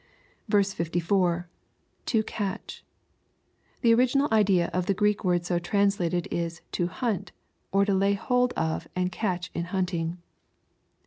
64. — [To catchy The original idea of the Greek word so translated is " to hunt," or to lay hold of and catch in hunting.